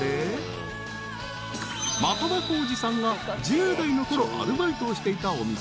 ［的場浩司さんが１０代のころアルバイトをしていたお店］